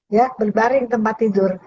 ya berbaring tempat tidur